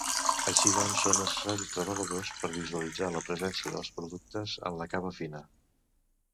Així doncs, són necessaris reveladors per visualitzar la presència dels productes en la capa fina.